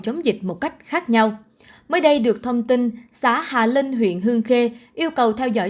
chống dịch một cách khác nhau mới đây được thông tin xã hà linh huyện hương khê yêu cầu theo dõi